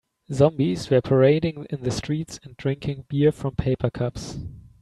Zombies were parading in the streets and drinking beer from paper cups.